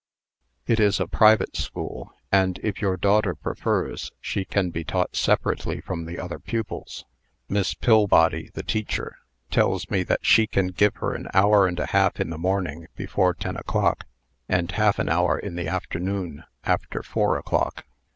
"It is a private school, and, if your daughter prefers, she can be taught separately from the other pupils. Miss Pillbody, the teacher, tells me that she can give her an hour and a half in the morning, before ten o'clock, and half an hour in the afternoon, after four o'clock."